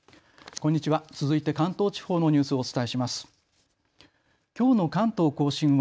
こんにちは。